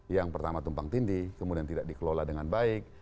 yang pertama tumpang tindih kemudian tidak dikelola dengan baik